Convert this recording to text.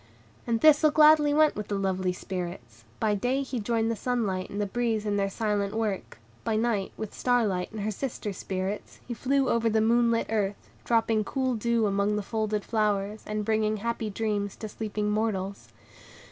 And Thistle gladly went with the lovely Spirits; by day he joined the sunlight and the breeze in their silent work; by night, with Star Light and her sister spirits, he flew over the moon lit earth, dropping cool dew upon the folded flowers, and bringing happy dreams to sleeping mortals.